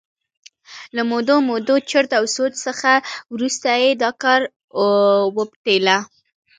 له مودو مودو چرت او سوچ څخه وروسته یې دا کار وپتېله.